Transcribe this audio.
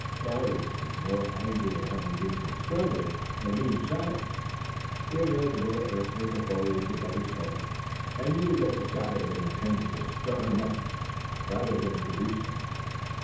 Darwood was more angry at having been discovered than being shot at. He had heard the bullet rip through the foliage above his head, and knew that the shot had been intended to stir him up rather than to reach him.